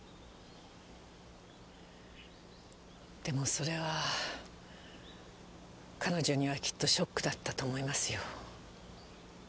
でもそれは彼女にはきっとショックだったと思いますよ。